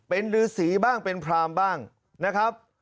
เป็นฤษีบ้างเป็นพรามบ้างนะครับ